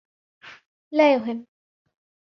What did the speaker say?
لا يهم.